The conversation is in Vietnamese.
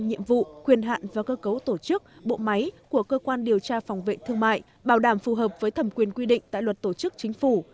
nhiệm vụ quyền hạn và cơ cấu tổ chức bộ máy của cơ quan điều tra phòng vệ thương mại bảo đảm phù hợp với thẩm quyền quy định tại luật tổ chức chính phủ